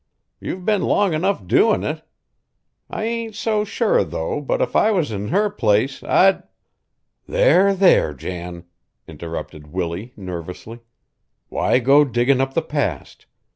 You've been long enough doin' it. I ain't so sure, though, but if I was in her place I'd " "There, there, Jan," interrupted Willie nervously, "why go diggin' up the past?